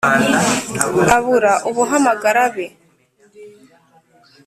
Abura ubuhamagara abe